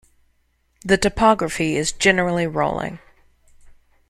The topography is generally rolling.